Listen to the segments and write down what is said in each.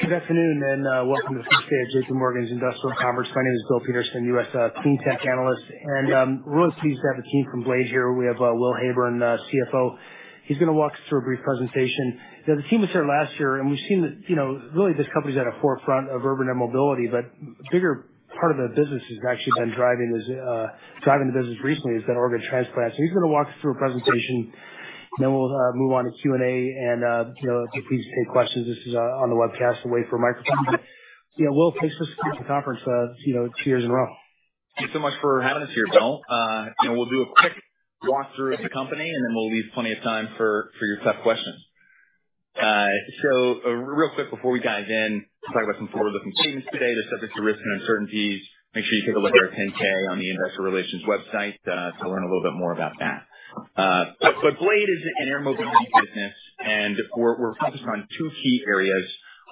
Good afternoon and welcome to the first day of JPMorgan's Industrials Conference. My name is Bill Peterson, U.S. Clean Tech Analyst, and we're really pleased to have a team from Blade here. We have Will Heyburn, CFO. He's going to walk us through a brief presentation. The team was here last year, and we've seen that really this company's at the forefront of urban air mobility, but a bigger part of the business has actually been driving the business recently is that organ transplant. He's going to walk us through a presentation, then we'll move on to Q&A, and be pleased to take questions. This is on the webcast, away from microphones. Will, thanks for speaking at the conference two years in a row. Thanks so much for having us here, Bill. We'll do a quick walkthrough of the company, and then we'll leave plenty of time for your tough questions. So real quick, before we dive in, we'll talk about some forward-looking statements today. There's subjects of risk and uncertainties. Make sure you take a look at our 10-K on the Investor Relations website to learn a little bit more about that. But Blade is an air mobility business, and we're focused on two key areas.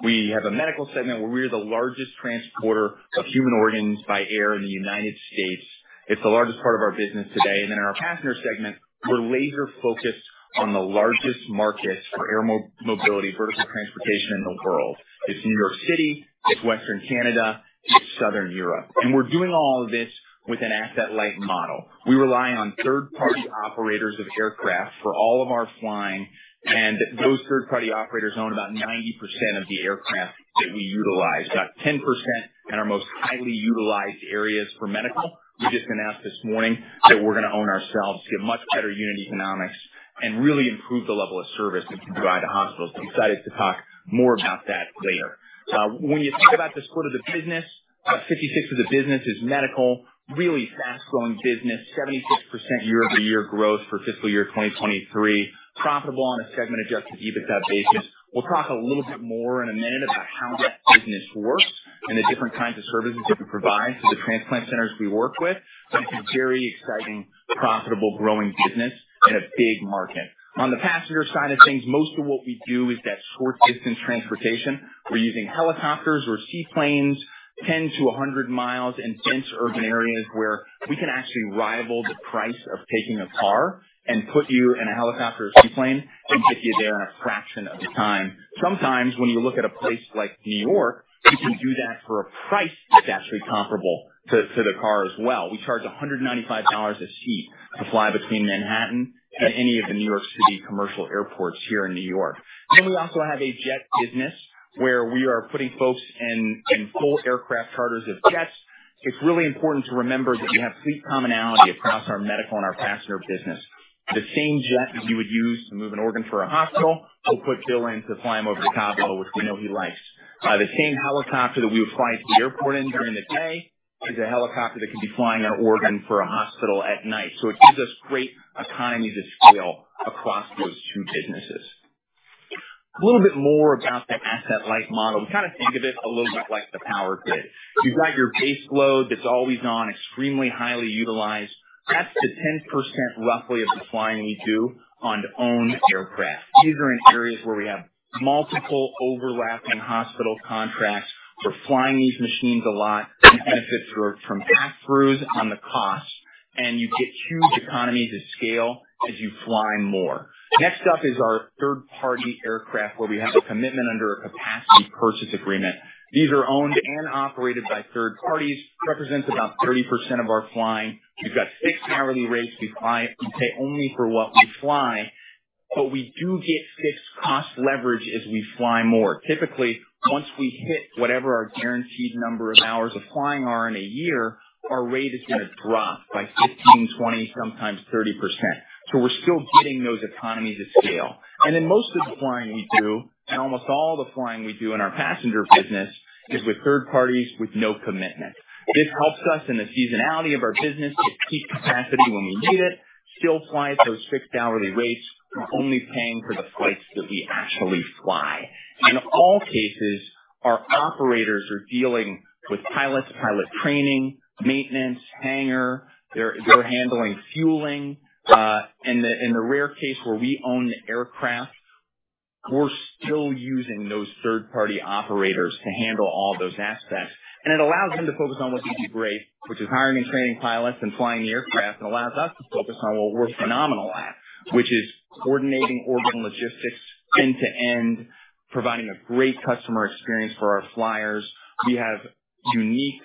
We have a medical segment where we are the largest transporter of human organs by air in the United States. It's the largest part of our business today. And then in our passenger segment, we're laser-focused on the largest markets for air mobility, vertical transportation, in the world. It's New York City, it's Western Canada, it's Southern Europe. We're doing all of this with an asset-light model. We rely on third-party operators of aircraft for all of our flying, and those third-party operators own about 90% of the aircraft that we utilize, about 10% in our most highly utilized areas for medical. We just announced this morning that we're going to own ourselves, get much better unit economics, and really improve the level of service we can provide to hospitals. Excited to talk more about that later. When you think about the split of the business, about 56% of the business is medical, really fast-growing business, 76% year-over-year growth for fiscal year 2023, profitable on a Segment Adjusted EBITDA basis. We'll talk a little bit more in a minute about how that business works and the different kinds of services that we provide to the transplant centers we work with. But it's a very exciting, profitable, growing business in a big market. On the passenger side of things, most of what we do is that short-distance transportation. We're using helicopters or seaplanes, 10-100 miles, in dense urban areas where we can actually rival the price of taking a car and put you in a helicopter or seaplane and get you there in a fraction of the time. Sometimes, when you look at a place like New York, you can do that for a price that's actually comparable to the car as well. We charge $195 a seat to fly between Manhattan and any of the New York City commercial airports here in New York. Then we also have a jet business where we are putting folks in full aircraft charters of jets. It's really important to remember that we have fleet commonality across our medical and our passenger business. The same jet that you would use to move an organ for a hospital, we'll put Bill in to fly him over to Cabo, which we know he likes. The same helicopter that we would fly to the airport in during the day is a helicopter that can be flying an organ for a hospital at night. So it gives us great economies of scale across those two businesses. A little bit more about the asset-light model. We kind of think of it a little bit like the power grid. You've got your base load that's always on, extremely highly utilized. That's the 10%, roughly, of the flying we do on own aircraft. These are in areas where we have multiple overlapping hospital contracts. We're flying these machines a lot. You benefit from pass-throughs on the costs, and you get huge economies of scale as you fly more. Next up is our third-party aircraft where we have a commitment under a capacity purchase agreement. These are owned and operated by third parties, represent about 30% of our flying. We've got fixed hourly rates. We pay only for what we fly, but we do get fixed cost leverage as we fly more. Typically, once we hit whatever our guaranteed number of hours of flying are in a year, our rate is going to drop by 15%, 20%, sometimes 30%. So we're still getting those economies of scale. And then most of the flying we do, and almost all the flying we do in our passenger business, is with third parties with no commitment. This helps us in the seasonality of our business to keep capacity when we need it, still fly at those fixed hourly rates. We're only paying for the flights that we actually fly. In all cases, our operators are dealing with pilots, pilot training, maintenance, hangar. They're handling fueling. In the rare case where we own the aircraft, we're still using those third-party operators to handle all those aspects. And it allows them to focus on what they do great, which is hiring and training pilots and flying the aircraft, and allows us to focus on what we're phenomenal at, which is coordinating organ logistics end-to-end, providing a great customer experience for our flyers. We have unique,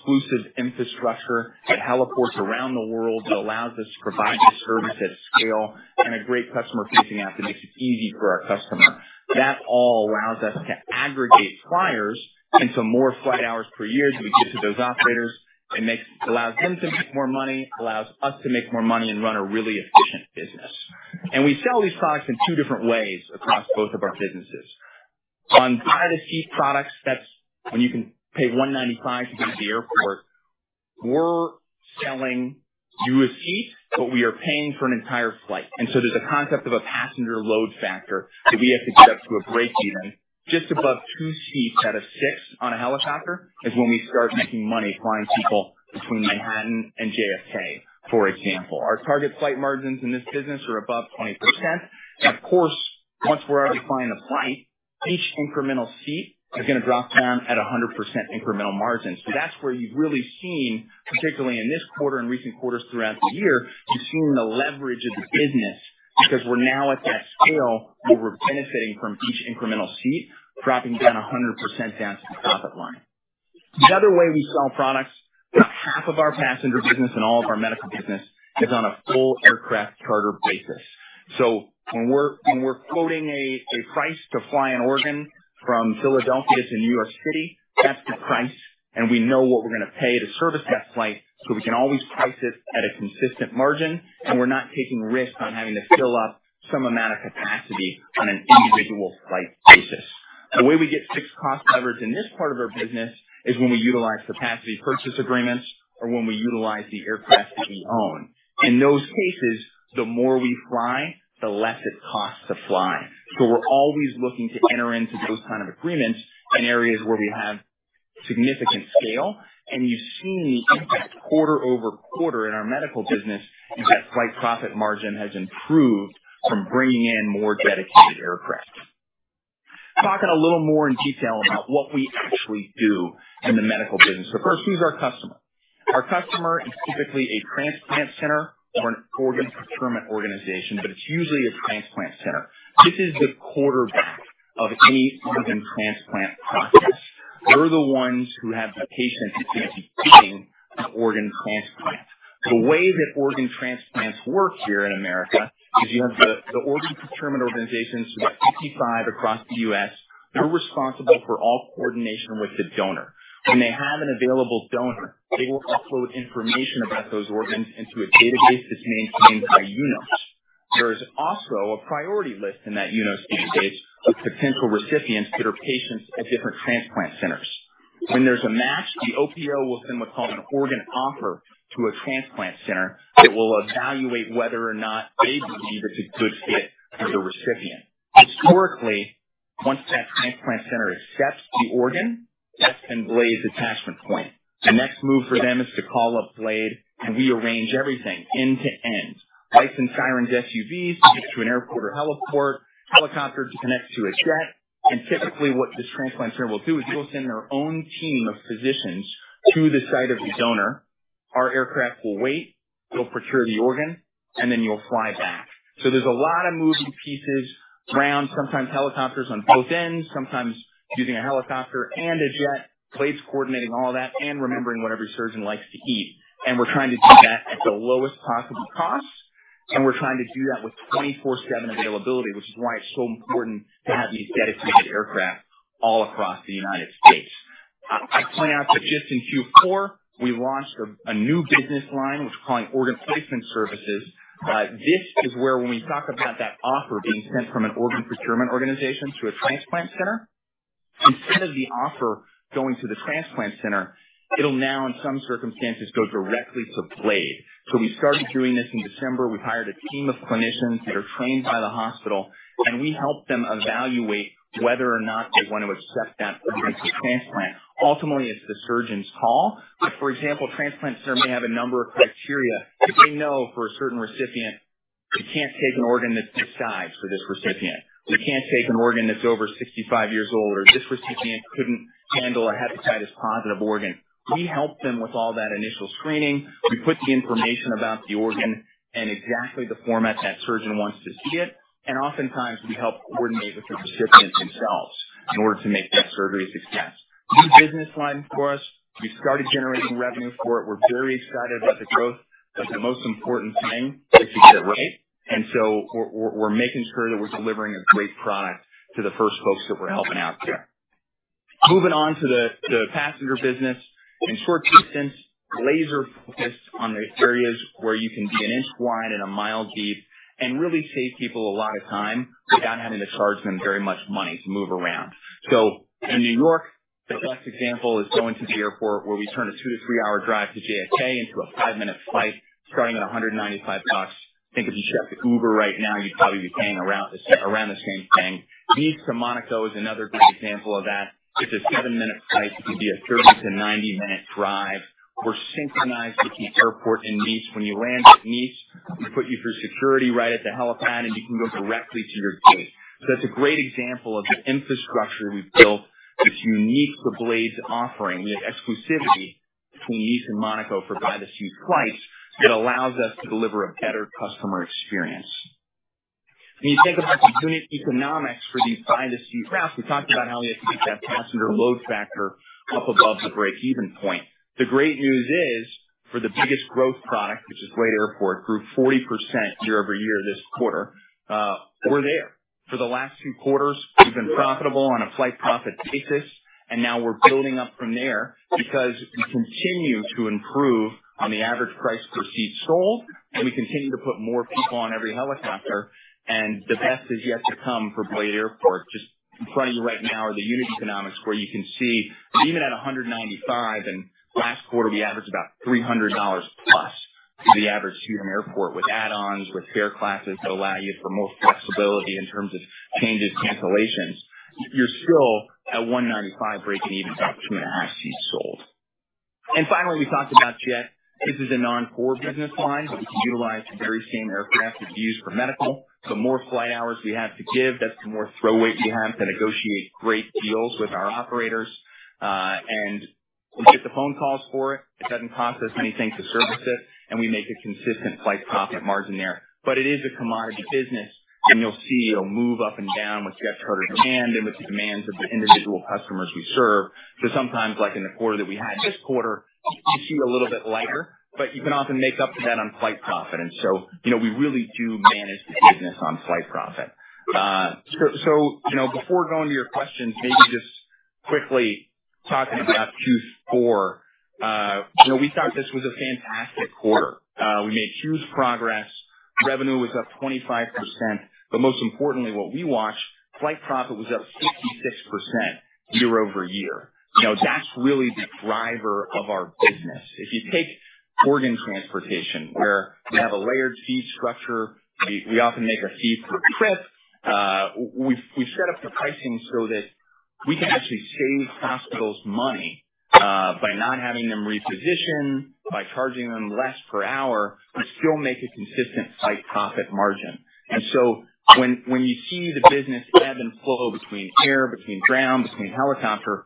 exclusive infrastructure that heliports around the world that allows us to provide this service at scale and a great customer-facing app that makes it easy for our customer. That all allows us to aggregate flyers into more flight hours per year that we give to those operators. It allows them to make more money, allows us to make more money, and run a really efficient business. We sell these products in two different ways across both of our businesses. On private seat products, that's when you can pay $195 to get to the airport. We're selling US seats, but we are paying for an entire flight. So there's a concept of a passenger load factor that we have to get up to a break-even. Just above two seats out of six on a helicopter is when we start making money flying people between Manhattan and JFK, for example. Our target flight margins in this business are above 20%. Of course, once we're already flying a flight, each incremental seat is going to drop down at a 100% incremental margin. So that's where you've really seen, particularly in this quarter and recent quarters throughout the year, you've seen the leverage of the business because we're now at that scale where we're benefiting from each incremental seat, dropping down 100% down to the profit line. The other way we sell products, about half of our passenger business and all of our medical business is on a full aircraft charter basis. So when we're quoting a price to fly an organ from Philadelphia to New York City, that's the price, and we know what we're going to pay to service that flight so we can always price it at a consistent margin, and we're not taking risks on having to fill up some amount of capacity on an individual flight basis. The way we get fixed cost leverage in this part of our business is when we utilize capacity purchase agreements or when we utilize the aircraft that we own. In those cases, the more we fly, the less it costs to fly. We're always looking to enter into those kinds of agreements in areas where we have significant scale. You've seen the impact quarter-over-quarter in our medical business is that Flight Profit margin has improved from bringing in more dedicated aircraft. Talking a little more in detail about what we actually do in the medical business. First, who's our customer? Our customer is typically a transplant center or an organ procurement organization, but it's usually a transplant center. This is the quarterback of any organ transplant process. We're the ones who have the patients who can be getting an organ transplant. The way that organ transplants work here in America is you have the organ procurement organizations, so about 55 across the U.S. They're responsible for all coordination with the donor. When they have an available donor, they will upload information about those organs into a database that's maintained by UNOS. There is also a priority list in that UNOS database with potential recipients that are patients at different transplant centers. When there's a match, the OPO will send what's called an organ offer to a transplant center that will evaluate whether or not they believe it's a good fit as a recipient. Historically, once that transplant center accepts the organ, that's been Blade's attachment point. The next move for them is to call up Blade, and we arrange everything end-to-end, lights and sirens SUVs to get to an airport or heliport, helicopter to connect to a jet. Typically, what this transplant center will do is they'll send their own team of physicians to the site of the donor. Our aircraft will wait. They'll procure the organ, and then you'll fly back. So there's a lot of moving pieces around, sometimes helicopters on both ends, sometimes using a helicopter and a jet. Blade's coordinating all that and remembering what every surgeon likes to eat. And we're trying to do that at the lowest possible cost, and we're trying to do that with 24/7 availability, which is why it's so important to have these dedicated aircraft all across the United States. I point out that just in Q4, we launched a new business line, which we're calling Organ Placement Services. This is where, when we talk about that offer being sent from an organ procurement organization to a transplant center, instead of the offer going to the transplant center, it'll now, in some circumstances, go directly to Blade. So we started doing this in December. We've hired a team of clinicians that are trained by the hospital, and we help them evaluate whether or not they want to accept that organ for transplant. Ultimately, it's the surgeon's call. But for example, a transplant center may have a number of criteria. If they know for a certain recipient, "We can't take an organ that's this size for this recipient. We can't take an organ that's over 65 years old," or, "This recipient couldn't handle a hepatitis-positive organ." We help them with all that initial screening. We put the information about the organ and exactly the format that surgeon wants to see it. Oftentimes, we help coordinate with the recipients themselves in order to make that surgery a success. New business line for us. We've started generating revenue for it. We're very excited about the growth, but the most important thing is to get it right. So we're making sure that we're delivering a great product to the first folks that we're helping out there. Moving on to the passenger business, in short distance, laser-focused on the areas where you can be an inch wide and a mile deep and really save people a lot of time without having to charge them very much money to move around. So in New York, the best example is going to the airport where we turn a 2-to-3-hour drive to JFK into a 5-minute flight starting at $195. Think if you checked Uber right now, you'd probably be paying around the same thing. Nice to Monaco is another great example of that. It's a 7-minute flight. It can be a 30-to-90-minute drive. We're synchronized between airport and Nice. When you land at Nice, we put you through security right at the helipad, and you can go directly to your gate. So that's a great example of the infrastructure we've built that's unique to Blade's offering. We have exclusivity between Nice and Monaco for private seat flights that allows us to deliver a better customer experience. When you think about the unit economics for these private seat routes, we talked about how we have to get that passenger load factor up above the break-even point. The great news is, for the biggest growth product, which is Blade Airport, grew 40% year-over-year this quarter. We're there. For the last two quarters, we've been profitable on a flight profit basis, and now we're building up from there because we continue to improve on the average price per seat sold, and we continue to put more people on every helicopter. And the best is yet to come for Blade Airport. Just in front of you right now are the unit economics where you can see, even at $195, and last quarter, we averaged about $300+ for the average seat on airport with add-ons, with fare classes that allow you for more flexibility in terms of changes, cancellations. You're still at $195 breaking even out of 2.5 seats sold. Finally, we talked about jet. This is a non-core business line, but we can utilize the very same aircraft that we use for medical. The more flight hours we have to give, that's the more throw weight we have to negotiate great deals with our operators. And we get the phone calls for it. It doesn't cost us anything to service it, and we make a consistent flight profit margin there. It is a commodity business, and you'll see it'll move up and down with jet charter demand and with the demands of the individual customers we serve. Sometimes, like in the quarter that we had this quarter, you see a little bit lighter, but you can often make up for that on flight profit. We really do manage the business on flight profit. Before going to your questions, maybe just quickly talking about Q4, we thought this was a fantastic quarter. We made huge progress. Revenue was up 25%. Most importantly, what we watched, flight profit was up 66% year-over-year. That's really the driver of our business. If you take organ transportation where we have a layered fee structure, we often make a fee per trip. We've set up the pricing so that we can actually save hospitals money by not having them reposition, by charging them less per hour, but still make a consistent flight profit margin. So when you see the business ebb and flow between air, between ground, between helicopter,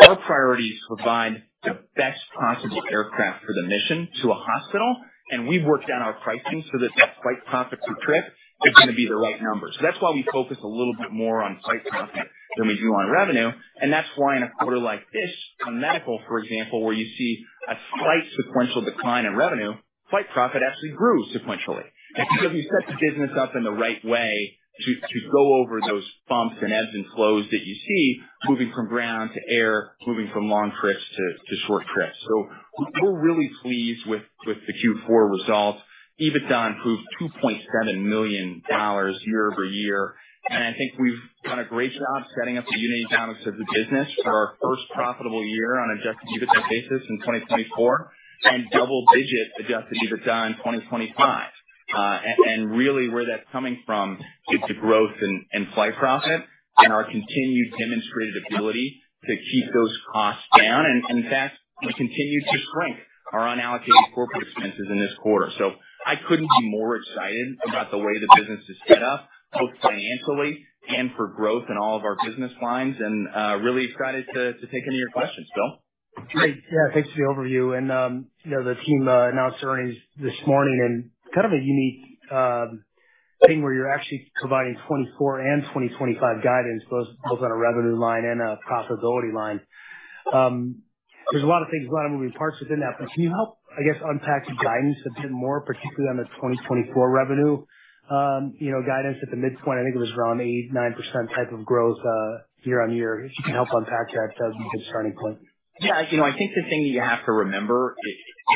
our priorities provide the best possible aircraft for the mission to a hospital. And we've worked down our pricing so that that flight profit per trip is going to be the right number. So that's why we focus a little bit more on flight profit than we do on revenue. That's why in a quarter like this, on medical, for example, where you see a slight sequential decline in revenue, flight profit actually grew sequentially because we set the business up in the right way to go over those bumps and ebbs and flows that you see, moving from ground to air, moving from long trips to short trips. We're really pleased with the Q4 results. EBITDA improved $2.7 million year-over-year. I think we've done a great job setting up the unit economics of the business for our first profitable year on an adjusted EBITDA basis in 2024 and double-digit adjusted EBITDA in 2025. Really, where that's coming from is the growth in flight profit and our continued demonstrated ability to keep those costs down. In fact, we continued to shrink our unallocated corporate expenses in this quarter. So I couldn't be more excited about the way the business is set up, both financially and for growth in all of our business lines. And really excited to take any of your questions, Bill. Great. Yeah. Thanks for the overview. And the team announced earnings this morning, and kind of a unique thing where you're actually providing 2024 and 2025 guidance, both on a revenue line and a profitability line. There's a lot of things, a lot of moving parts within that. But can you help, I guess, unpack guidance a bit more, particularly on the 2024 revenue guidance at the midpoint? I think it was around 8%-9% type of growth year-on-year. If you can help unpack that, that would be a good starting point. Yeah. I think the thing that you have to remember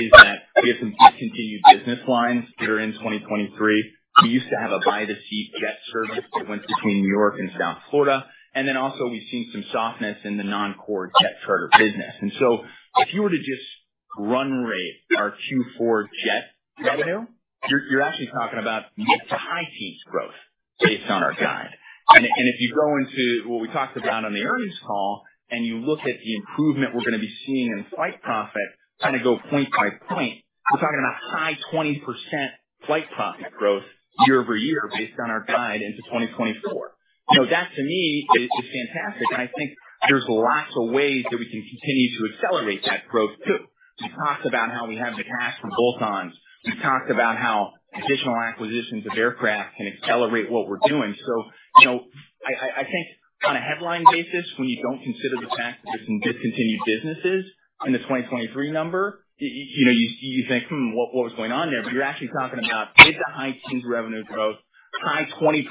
is that we have some discontinued business lines that are in 2023. We used to have a private seat jet service that went between New York and South Florida. And then also, we've seen some softness in the non-core jet charter business. And so if you were to just run-rate our Q4 jet revenue, you're actually talking about mid- to high-teens growth based on our guide. And if you go into what we talked about on the earnings call and you look at the improvement we're going to be seeing in flight profit, kind of go point by point, we're talking about high 20% flight profit growth year-over-year based on our guide into 2024. That, to me, is fantastic. And I think there's lots of ways that we can continue to accelerate that growth too. We've talked about how we have the cash for bolt-ons. We've talked about how additional acquisitions of aircraft can accelerate what we're doing. So I think on a headline basis, when you don't consider the fact that there's some discontinued businesses in the 2023 number, you think, what was going on there? But you're actually talking about mid- to high-teens revenue growth, high 20%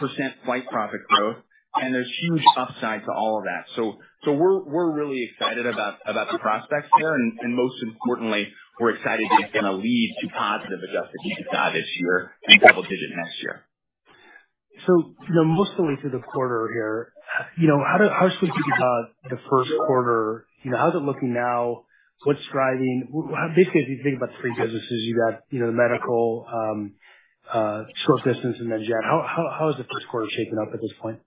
flight profit growth, and there's huge upside to all of that. So we're really excited about the prospects there. And most importantly, we're excited that it's going to lead to positive adjusted EBITDA this year and double-digit next year. Mostly through the quarter here, how should we think about the Q1? How's it looking now? What's driving? Basically, if you think about the three businesses, you've got the medical, short distance, and then jet. How is the Q1 shaping up at this point?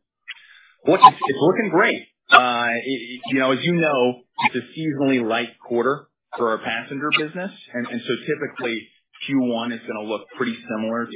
Well, it's looking great. As you know, it's a seasonally light quarter for our passenger business. And so typically, Q1 is going to look pretty similar to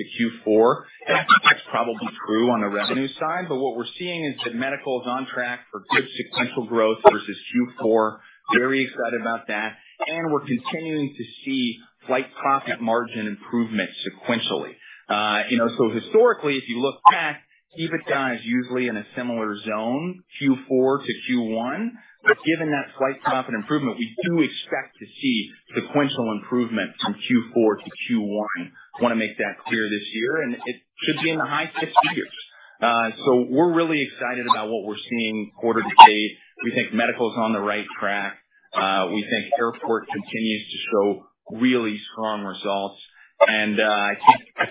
Q4. That's probably true on the revenue side. But what we're seeing is that medical is on track for good sequential growth versus Q4. Very excited about that. And we're continuing to see flight profit margin improvement sequentially. So historically, if you look back, EBITDA is usually in a similar zone, Q4 to Q1. But given that flight profit improvement, we do expect to see sequential improvement from Q4 to Q1. Want to make that clear this year. And it should be in the high 60s. So we're really excited about what we're seeing quarter to date. We think medical is on the right track. We think airport continues to show really strong results. I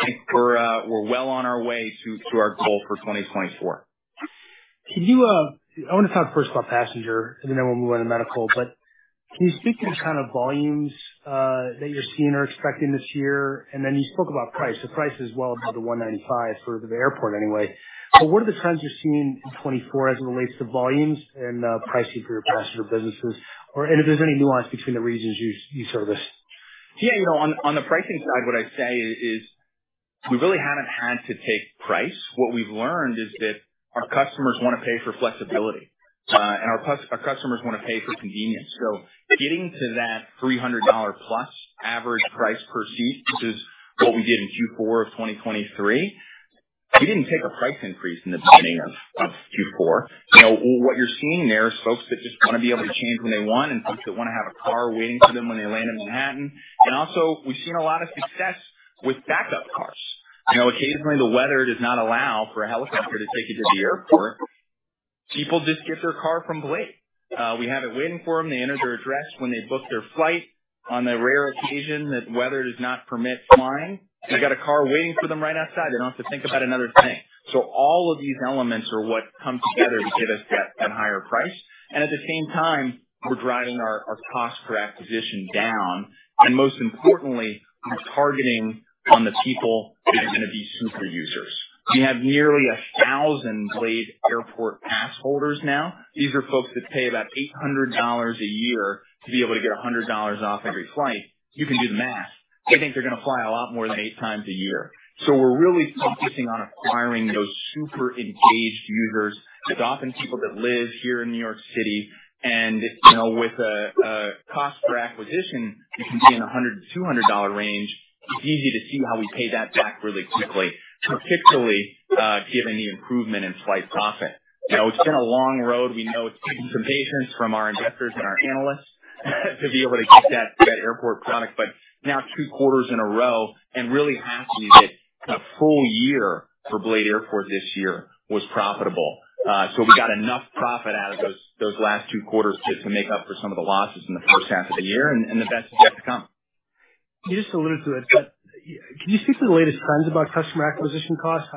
think we're well on our way to our goal for 2024. I want to talk first about passenger, and then we'll move on to medical. Can you speak to the kind of volumes that you're seeing or expecting this year? Then you spoke about price. Price is well above the $195 for the airport anyway. What are the trends you're seeing in 2024 as it relates to volumes and pricing for your passenger businesses? If there's any nuance between the regions you service? Yeah. On the pricing side, what I'd say is we really haven't had to take price. What we've learned is that our customers want to pay for flexibility, and our customers want to pay for convenience. So getting to that $300+ average price per seat, which is what we did in Q4 of 2023, we didn't take a price increase in the beginning of Q4. What you're seeing there is folks that just want to be able to change when they want and folks that want to have a car waiting for them when they land in Manhattan. And also, we've seen a lot of success with backup cars. Occasionally, the weather does not allow for a helicopter to take you to the airport. People just get their car from Blade. We have it waiting for them. They enter their address when they book their flight. On the rare occasion that weather does not permit flying, they've got a car waiting for them right outside. They don't have to think about another thing. So all of these elements are what come together to give us that higher price. And at the same time, we're driving our cost per acquisition down. And most importantly, we're targeting on the people that are going to be super users. We have nearly 1,000 Blade Airport Pass holders now. These are folks that pay about $800 a year to be able to get $100 off every flight. You can do the math. They think they're going to fly a lot more than 8 times a year. So we're really focusing on acquiring those super engaged users. It's often people that live here in New York City. And with a cost per acquisition, you can be in the $100, $200 range. It's easy to see how we pay that back really quickly, particularly given the improvement in flight profit. It's been a long road. We know it's taken some patience from our investors and our analysts to be able to get that airport product. But now, two quarters in a row, and really happy that a full year for Blade Airport this year was profitable. So we got enough profit out of those last two quarters to make up for some of the losses in the H1 of the year. And the best is yet to come. You just alluded to it. But can you speak to the latest trends about customer acquisition costs?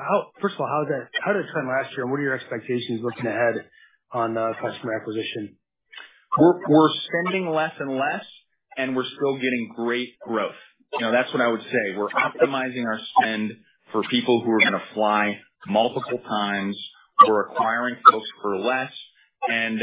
First of all, how did it trend last year, and what are your expectations looking ahead on customer acquisition? We're spending less and less, and we're still getting great growth. That's what I would say. We're optimizing our spend for people who are going to fly multiple times. We're acquiring folks for less. And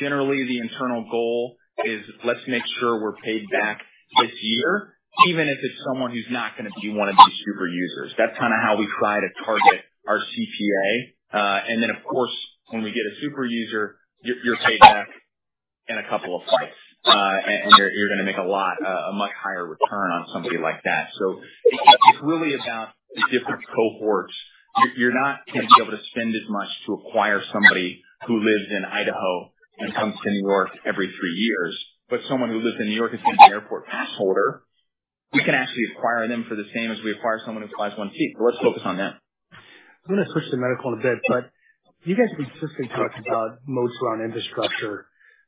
generally, the internal goal is, "Let's make sure we're paid back this year, even if it's someone who's not going to be one of these super users." That's kind of how we try to target our CPA. And then, of course, when we get a super user, you're paid back in a couple of flights, and you're going to make a lot, a much higher return on somebody like that. So it's really about the different cohorts. You're not going to be able to spend as much to acquire somebody who lives in Idaho and comes to New York every three years. Someone who lives in New York and is going to be an airport pass holder, we can actually acquire them for the same as we acquire someone who flies one seat. Let's focus on them. I'm going to switch to medical in a bit. But you guys consistently talk about modes around infrastructure.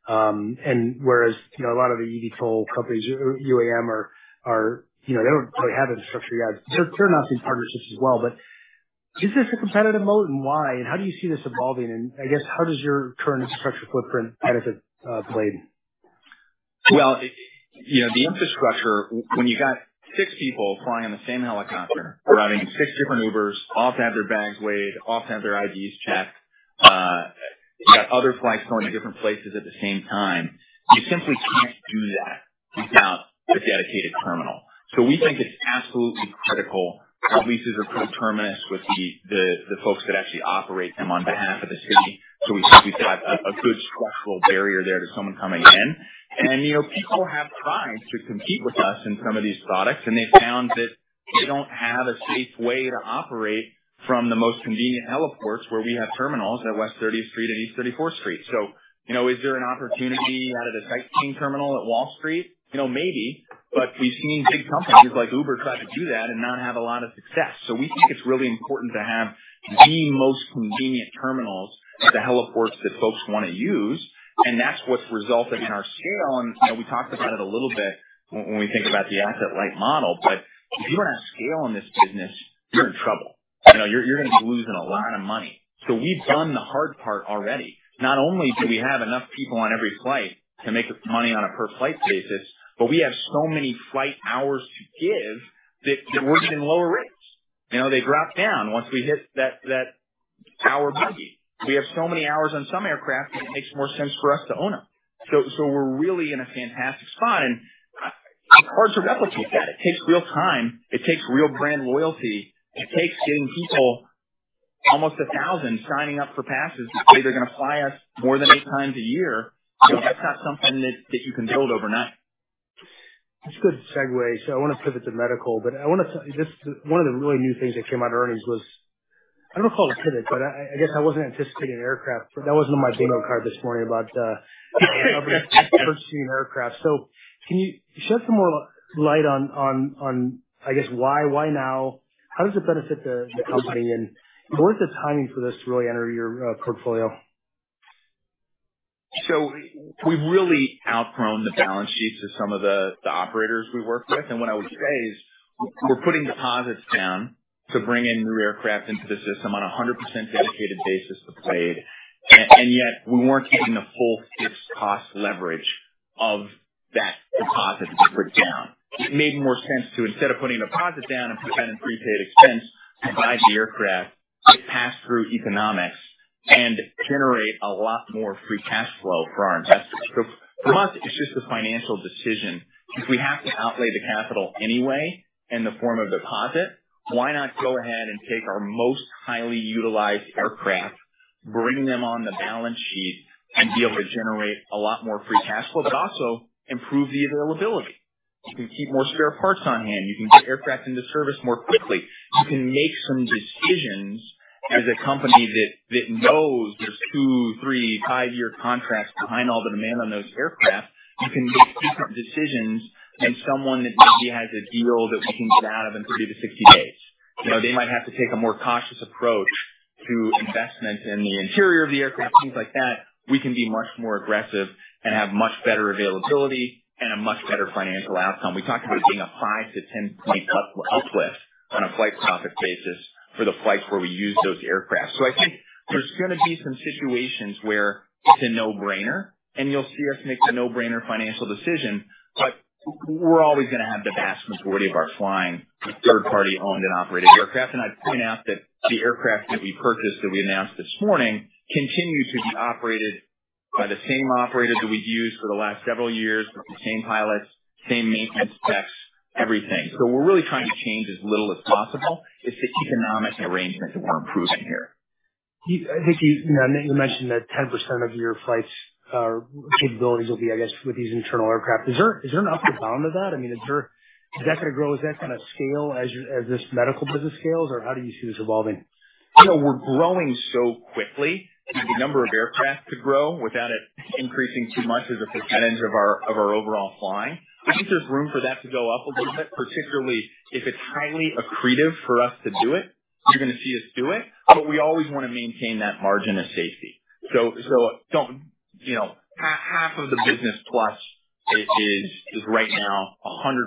And whereas a lot of the eVTOL companies, UAM, they don't really have infrastructure yet, they're announcing partnerships as well. But is this a competitive mode, and why? And how do you see this evolving? And I guess, how does your current infrastructure footprint benefit Blade? Well, the infrastructure, when you've got six people flying on the same helicopter, driving six different Ubers, often have their bags weighed, often have their IDs checked, you've got other flights going to different places at the same time, you simply can't do that without a dedicated terminal. We think it's absolutely critical. Our leases are predetermined with the folks that actually operate them on behalf of the city. We think we've got a good structural barrier there to someone coming in. People have tried to compete with us in some of these products, and they've found that they don't have a safe way to operate from the most convenient heliports where we have terminals at West 30th Street and East 34th Street. Is there an opportunity out of the sightseeing terminal at Wall Street? Maybe. But we've seen big companies like Uber try to do that and not have a lot of success. So we think it's really important to have the most convenient terminals at the heliports that folks want to use. And that's what's resulted in our scale. And we talked about it a little bit when we think about the asset-light model. But if you don't have scale in this business, you're in trouble. You're going to be losing a lot of money. So we've done the hard part already. Not only do we have enough people on every flight to make money on a per-flight basis, but we have so many flight hours to give that we're getting lower rates. They drop down once we hit that hour bogey. We have so many hours on some aircraft that it makes more sense for us to own them. We're really in a fantastic spot. It's hard to replicate that. It takes real time. It takes real brand loyalty. It takes getting people, almost 1,000, signing up for passes to say they're going to fly us more than eight times a year. That's not something that you can build overnight. That's a good segue. So I want to pivot to medical. But one of the really new things that came out of earnings was I don't call it a pivot, but I guess I wasn't anticipating an aircraft that wasn't on my bingo card this morning about purchasing aircraft. So can you shed some more light on, I guess, why now? How does it benefit the company? And what is the timing for this to really enter your portfolio? We've really outgrown the balance sheets of some of the operators we work with. What I would say is we're putting deposits down to bring in new aircraft into the system on a 100% dedicated basis to Blade. Yet, we weren't using the full fixed cost leverage of that deposit to put down. It made more sense to, instead of putting a deposit down and put that in prepaid expense, provide the aircraft, get pass-through economics, and generate a lot more free cash flow for our investors. For us, it's just a financial decision. If we have to outlay the capital anyway in the form of deposit, why not go ahead and take our most highly utilized aircraft, bring them on the balance sheet, and be able to generate a lot more free cash flow, but also improve the availability? You can keep more spare parts on hand. You can get aircraft into service more quickly. You can make some decisions as a company that knows there's 2, 3, 5-year contracts behind all the demand on those aircraft. You can make different decisions than someone that maybe has a deal that we can get out of in 30-60 days. They might have to take a more cautious approach to investment in the interior of the aircraft, things like that. We can be much more aggressive and have much better availability and a much better financial outcome. We talked about it being a 5-10-point uplift on a flight profit basis for the flights where we use those aircraft. So I think there's going to be some situations where it's a no-brainer, and you'll see us make the no-brainer financial decision. We're always going to have the vast majority of our flying third-party-owned and operated aircraft. I'd point out that the aircraft that we purchased that we announced this morning continue to be operated by the same operator that we've used for the last several years, the same pilots, same maintenance techs, everything. We're really trying to change as little as possible. It's the economic arrangement that we're improving here. I think you mentioned that 10% of your flights' capabilities will be, I guess, with these internal aircraft. Is there an up or down to that? I mean, is that going to grow? Is that going to scale as this medical business scales? Or how do you see this evolving? We're growing so quickly that the number of aircraft could grow without it increasing too much as a percentage of our overall flying. I think there's room for that to go up a little bit, particularly if it's highly accretive for us to do it. You're going to see us do it. But we always want to maintain that margin of safety. So half of the business plus is right now 100%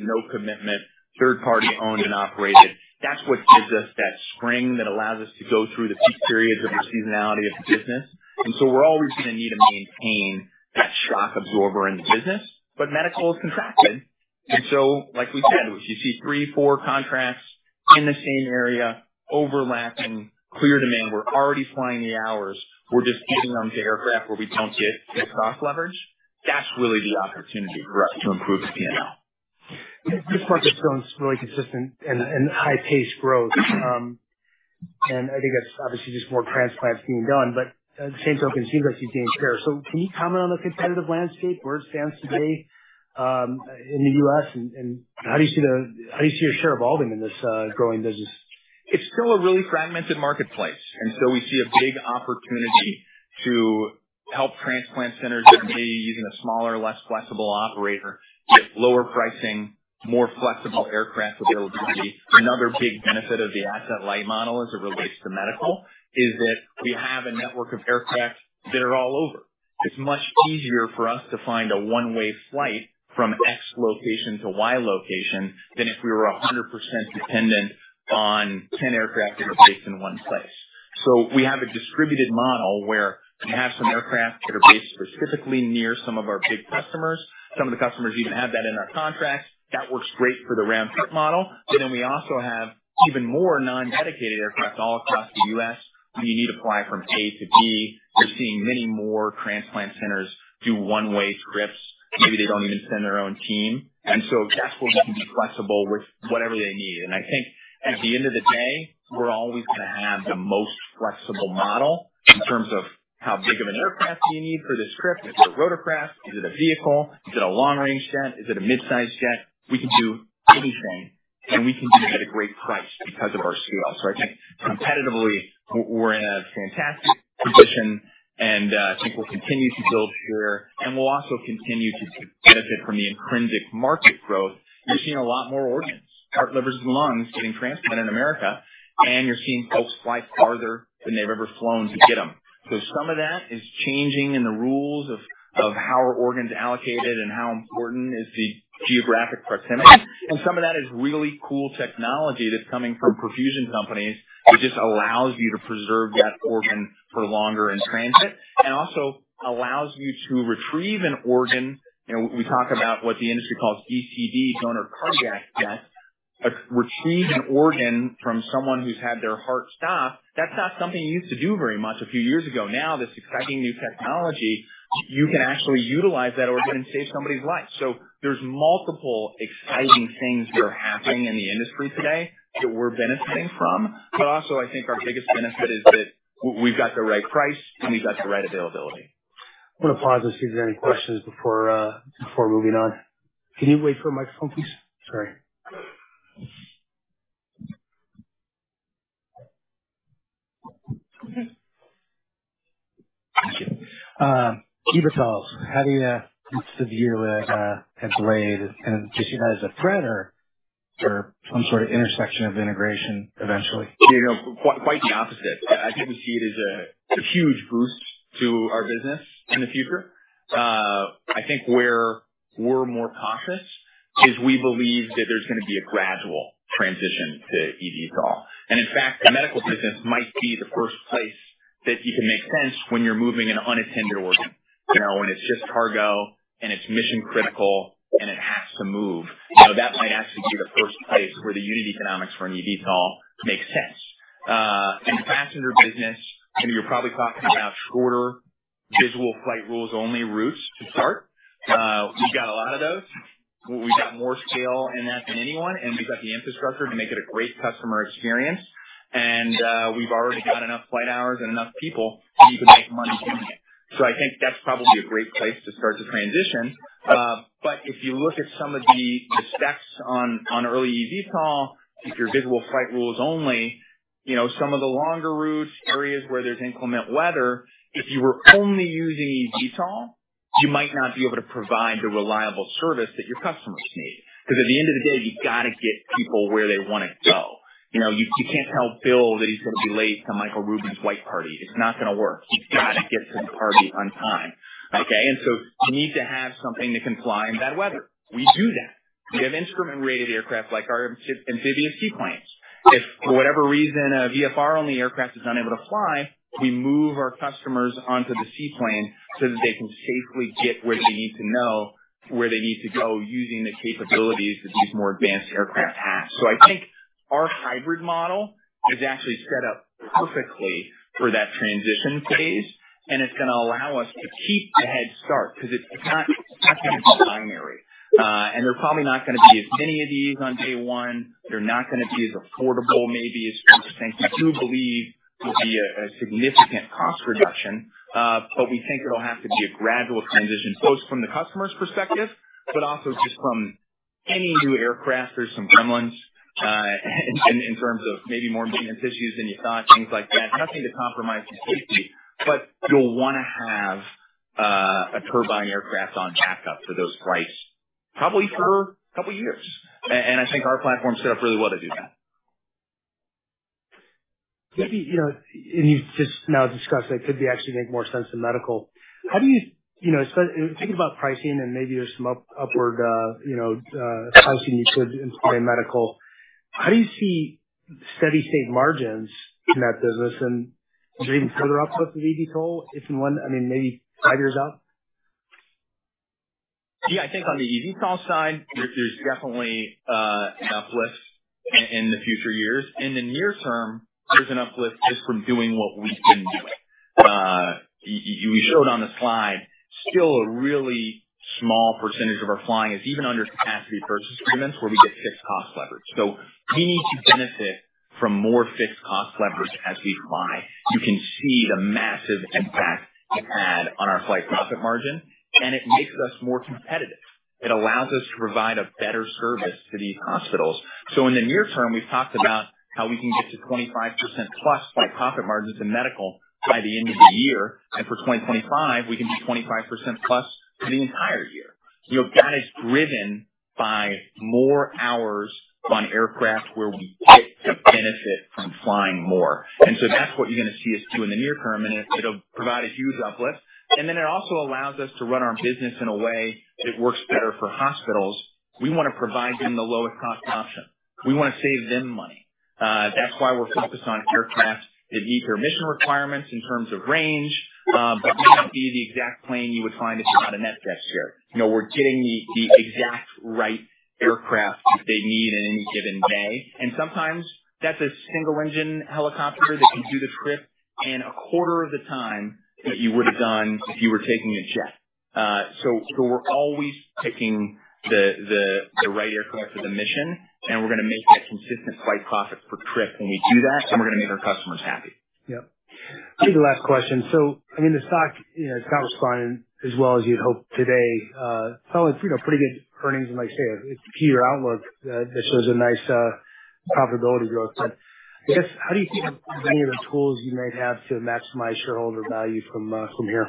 no commitment, third-party-owned and operated. That's what gives us that spring that allows us to go through the peak periods of the seasonality of the business. And so we're always going to need to maintain that shock absorber in the business. But medical is contracted. And so like we said, if you see 3, 4 contracts in the same area, overlapping, clear demand, we're already flying the hours. We're just getting onto aircraft where we don't get fixed cost leverage. That's really the opportunity for us to improve the P&L. This market's shown really consistent and high-paced growth. And I think that's obviously just more transplants being done. But by the same token, it seems like you've gained share. So can you comment on the competitive landscape? Where it stands today in the U.S.? And how do you see your share evolving in this growing business? It's still a really fragmented marketplace. So we see a big opportunity to help transplant centers that may be using a smaller, less flexible operator get lower pricing, more flexible aircraft availability. Another big benefit of the asset-light model as it relates to medical is that we have a network of aircraft that are all over. It's much easier for us to find a one-way flight from X location to Y location than if we were 100% dependent on 10 aircraft that are based in one place. We have a distributed model where we have some aircraft that are based specifically near some of our big customers. Some of the customers even have that in our contracts. That works great for the round-trip model. Then we also have even more non-dedicated aircraft all across the U.S. where you need to fly from A to B. You're seeing many more transplant centers do one-way trips. Maybe they don't even send their own team. And so that's where we can be flexible with whatever they need. And I think at the end of the day, we're always going to have the most flexible model in terms of how big of an aircraft do you need for this trip? Is it a rotorcraft? Is it a vehicle? Is it a long-range jet? Is it a midsize jet? We can do anything. And we can do it at a great price because of our scale. So I think competitively, we're in a fantastic position. And I think we'll continue to build share. And we'll also continue to benefit from the intrinsic market growth. You're seeing a lot more organs, heart, livers, and lungs getting transplanted in America. You're seeing folks fly farther than they've ever flown to get them. So some of that is changing in the rules of how our organs are allocated and how important is the geographic proximity. Some of that is really cool technology that's coming from perfusion companies that just allows you to preserve that organ for longer in transit and also allows you to retrieve an organ. We talk about what the industry calls DCD, donation after cardiac death, retrieve an organ from someone who's had their heart stopped. That's not something you used to do very much a few years ago. Now, this exciting new technology, you can actually utilize that organ and save somebody's life. So there's multiple exciting things that are happening in the industry today that we're benefiting from. But also, I think our biggest benefit is that we've got the right price, and we've got the right availability. I want to pause to see if there's any questions before moving on. Can you wait for a microphone, please? Sorry. Thank you. Will, tells us, "How do you anticipate you're going to have Blade kind of just view as a threat or some sort of intersection of integration eventually? Quite the opposite. I think we see it as a huge boost to our business in the future. I think where we're more cautious is we believe that there's going to be a gradual transition to eVTOL. In fact, the medical business might be the first place that you can make sense when you're moving an unattended organ. When it's just cargo, and it's mission-critical, and it has to move, that might actually be the first place where the unit economics for an eVTOL make sense. In passenger business, you're probably talking about shorter, visual flight rules-only routes to start. We've got a lot of those. We've got more scale in that than anyone. We've got the infrastructure to make it a great customer experience. We've already got enough flight hours and enough people so you can make money doing it. So I think that's probably a great place to start to transition. But if you look at some of the specs on early eVTOL, if you're visual flight rules-only, some of the longer routes, areas where there's inclement weather, if you were only using eVTOL, you might not be able to provide the reliable service that your customers need. Because at the end of the day, you've got to get people where they want to go. You can't tell Bill that he's going to be late to Michael Rubin's White Party. It's not going to work. You've got to get to the party on time, okay? And so you need to have something that can fly in bad weather. We do that. We have instrument-rated aircraft like our amphibious seaplanes. If for whatever reason, a VFR-only aircraft is unable to fly, we move our customers onto the seaplane so that they can safely get where they need to go using the capabilities that these more advanced aircraft have. So I think our hybrid model is actually set up perfectly for that transition phase. And it's going to allow us to keep the head start because it's not going to be binary. And there're probably not going to be as many of these on day one. They're not going to be as affordable maybe as we think. We do believe there'll be a significant cost reduction. But we think it'll have to be a gradual transition both from the customer's perspective but also just from any new aircraft. There's some gremlins in terms of maybe more maintenance issues than you thought, things like that. Nothing to compromise your safety. But you'll want to have a turbine aircraft on backup for those flights probably for a couple of years. And I think our platform's set up really well to do that. You've just now discussed that it could actually make more sense in medical. How do you think about pricing? And maybe there's some upward pricing you could employ in medical. How do you see steady state margins in that business and maybe further uplift of eVTOL if and when? I mean, maybe five years out? Yeah. I think on the eVTOL side, there's definitely an uplift in the future years. In the near term, there's an uplift just from doing what we've been doing. We showed on the slide, still a really small percentage of our flying is even under capacity purchase agreements where we get fixed cost leverage. So we need to benefit from more fixed cost leverage as we fly. You can see the massive impact you add on our flight profit margin. And it makes us more competitive. It allows us to provide a better service to these hospitals. So in the near term, we've talked about how we can get to 25%+ flight profit margins in medical by the end of the year. And for 2025, we can be 25%+ for the entire year. That is driven by more hours on aircraft where we get to benefit from flying more. So that's what you're going to see us do in the near term. It'll provide a huge uplift. Then it also allows us to run our business in a way that works better for hospitals. We want to provide them the lowest-cost option. We want to save them money. That's why we're focused on aircraft that meet their mission requirements in terms of range. But it may not be the exact plane you would find if you had a NetJets share. We're getting the exact right aircraft that they need in any given day. And sometimes, that's a single-engine helicopter that can do the trip in a quarter of the time that you would have done if you were taking a jet. We're always picking the right aircraft for the mission. We're going to make that consistent flight profits per trip when we do that. We're going to make our customers happy. Yep. Maybe the last question. So I mean, the stock, it's not responding as well as you'd hope today. It's following pretty good earnings. And like I say, it's a key year outlook that shows a nice profitability growth. But I guess, how do you think of any other tools you might have to maximize shareholder value from here?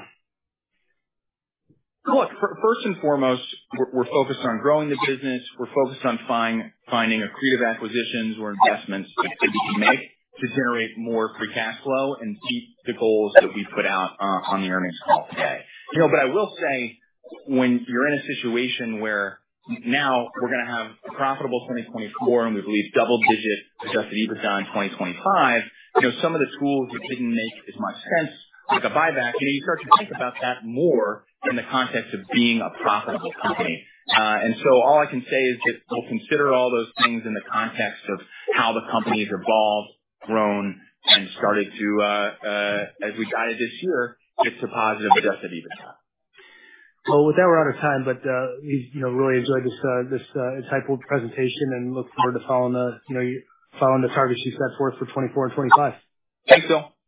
Look, first and foremost, we're focused on growing the business. We're focused on finding accretive acquisitions or investments that we can make to generate more free cash flow and meet the goals that we put out on the earnings call today. But I will say, when you're in a situation where now we're going to have a profitable 2024, and we'll leave double-digit Adjusted EBITDA in 2025, some of the tools that didn't make as much sense with a buyback, you start to think about that more in the context of being a profitable company. And so all I can say is that we'll consider all those things in the context of how the companies evolved, grown, and started to, as we got it this year, get to positive Adjusted EBITDA. Well, with that, we're out of time. But we've really enjoyed this exciting presentation. And look forward to following the targets you've set forth for 2024 and 2025. Thanks, Bill. Thanks.